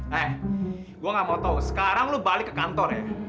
hei gue gak mau tahu sekarang lo balik ke kantor ya